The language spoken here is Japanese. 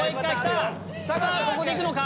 ここで行くのか？